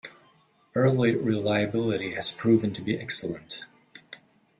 Early reliability has proven to be excellent.